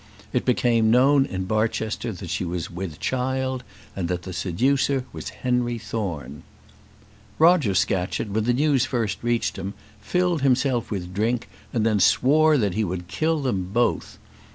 It became known in Barchester that she was with child, and that the seducer was Henry Thorne. Roger Scatcherd, when the news first reached him, filled himself with drink, and then swore that he would kill them both.